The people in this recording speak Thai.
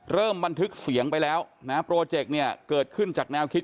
เริ่มบันทึกเสียงไปแล้วนะโปรเจกต์เกิดขึ้นจากแนวคิด